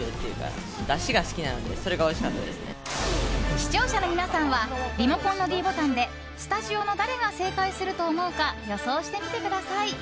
視聴者の皆さんはリモコンのｄボタンでスタジオの誰が正解すると思うか予想してみてください。